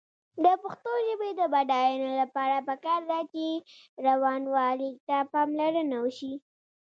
د پښتو ژبې د بډاینې لپاره پکار ده چې روانوالي ته پاملرنه وشي.